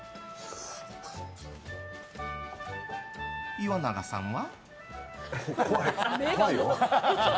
岩永さんは？